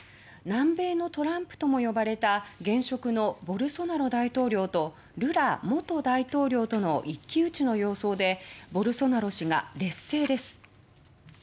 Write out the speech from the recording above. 南米のトランプとも呼ばれた現職のボルソナロ大統領とルラ元大統領との一騎打ちの様相でボルソナロ氏が劣勢です。